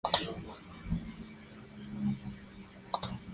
Además, puede verse en esta localidad un hórreo bien conservado.